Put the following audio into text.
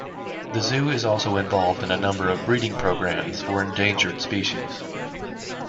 The zoo is also involved in a number of breeding programs for endangered species.